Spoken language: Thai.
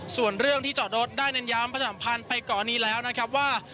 ส่วนเรื่องที่จอดรถได้เน้นย้ำประจำพันธ์ไปก่อนนี้แล้วนะครับว่า